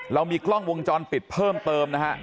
เรามีกล้องวงจรปิดเพิ่มเติมนะฮะ